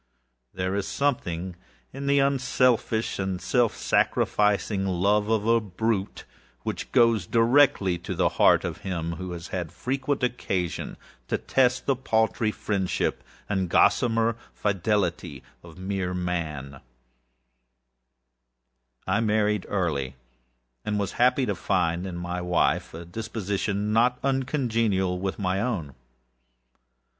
There is something in the unselfish and self sacrificing love of a brute, which goes directly to the heart of him who has had frequent occasion to test the paltry friendship and gossamer fidelity of mere Man. I married early, and was happy to find in my wife a disposition not uncongenial with my own.